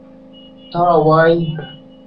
দাঁড়াও, ভাই।